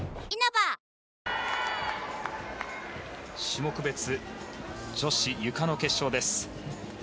種目別女子ゆかの決勝です。